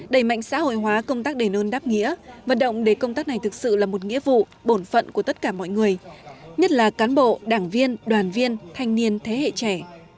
đẩy mạnh xã hội hóa công tác đề nôn đáp nghĩa vận động để công tác này thực sự là một nghĩa vụ bổn phận của tất cả mọi người nhất là cán bộ đảng viên đoàn viên thanh niên thế hệ trẻ